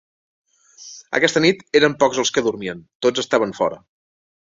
Aquesta nit eren pocs els que dormien, tots estaven fora.